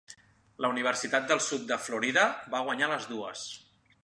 La Universitat del sud de Florida va guanyar les dues.